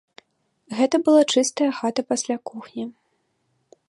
Гэта была чыстая хата пасля кухні.